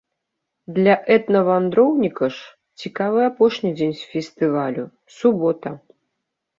Для этнавандроўніка ж цікавы апошні дзень фестывалю, субота.